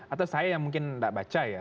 atau saya yang mungkin tidak baca ya